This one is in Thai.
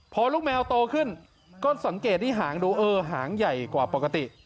พอลูกแมวโตขึ้นก็สังเกตที่หางดูเออหางใหญ่กว่าปกติ